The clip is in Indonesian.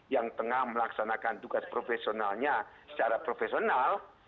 yang tengah melaksanakan tugas profesionalnya secara profesional